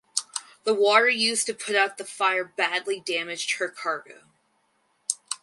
The water used to put out the fire badly damaged her cargo.